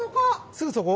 すぐそこ？